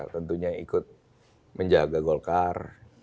tentunya ikut menjaga golkar